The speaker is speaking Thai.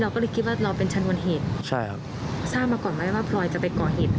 ก็เลยคิดว่าเราเป็นชนวนเหตุใช่ครับทราบมาก่อนไหมว่าพลอยจะไปก่อเหตุ